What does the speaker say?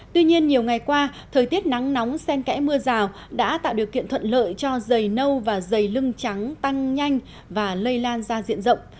tuy nhiên nhiều ngày qua thời tiết nắng nóng sen kẽ mưa rào đã tạo điều kiện thuận lợi cho dày nâu và dày lưng trắng tăng nhanh và lây lan ra diện rộng